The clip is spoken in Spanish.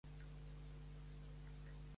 En el nombre de Jesucristo.